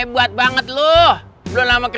bawa keluar lagi